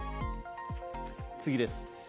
次です。